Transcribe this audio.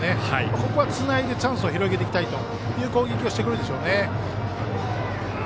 ここはつないでチャンスを広げるという攻撃をしてくるでしょうね。